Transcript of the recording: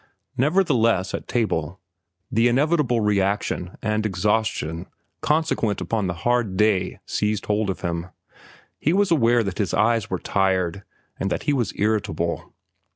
Nevertheless, at table, the inevitable reaction and exhaustion consequent upon the hard day seized hold of him. He was aware that his eyes were tired and that he was irritable.